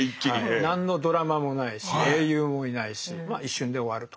何のドラマもないし英雄もいないし一瞬で終わると。